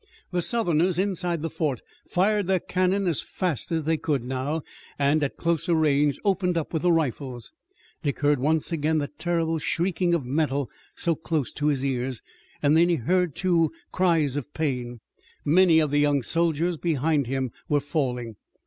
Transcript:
The Southerners inside the fort fired their cannon as fast as they could now, and at closer range opened with the rifles. Dick heard once again that terrible shrieking of metal so close to his ears, and then he heard, too, cries of pain. Many of the young soldiers behind him were falling.